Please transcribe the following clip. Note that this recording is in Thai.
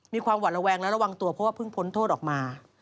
หวัดระแวงและระวังตัวเพราะว่าเพิ่งพ้นโทษออกมา